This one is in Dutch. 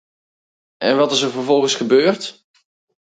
En wat is er vervolgens gebeurd?